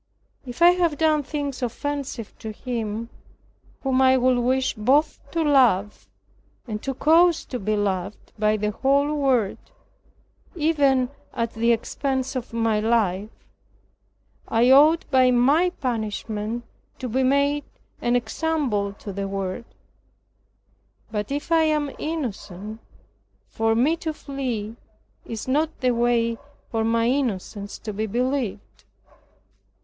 If I have done things offensive to Him, whom I would wish both to love, and to cause to be loved by the whole world, even at the expense of my life, I ought by my punishment to be made an example to the world; but if I am innocent, for me to flee is not the way for my innocence to be believed."